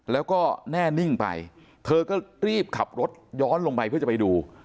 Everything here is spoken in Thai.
แล้วก็แน่นิ่งไปเธอก็รีบขับรถย้อนลงไปเพื่อจะไปดู